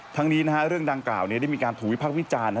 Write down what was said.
ทั้งนี้เรื่องดังกล่าวได้มีการถูกวิพากษ์วิจารณ์